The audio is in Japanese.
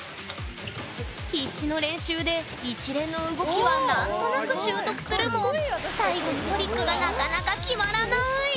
必死の練習で一連の動きは何となく習得するも最後のトリックがなかなか決まらない！